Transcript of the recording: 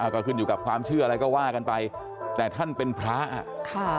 ก็ขึ้นอยู่กับความเชื่ออะไรก็ว่ากันไปแต่ท่านเป็นพระอ่ะค่ะ